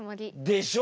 でしょ？